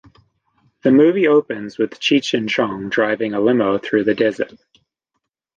The movie opens with Cheech and Chong driving a limo through the desert.